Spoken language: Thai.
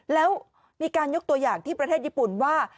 แล้วมีการยกตัวอย่างที่ประเทศญี่ปุ่นว่า